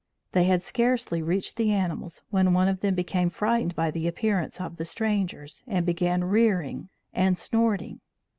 They had scarcely reached the animals, when one of them became frightened by the appearance of the strangers, and began rearing and snorting.